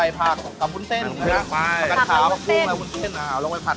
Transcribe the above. แล้วก็ใส่เนื้อสัตว์ลงไปผัด